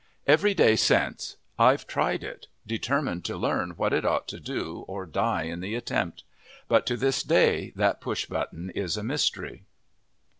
Every day since I've tried it, determined to learn what it ought to do or die in the attempt. But to this day that push button is a mystery.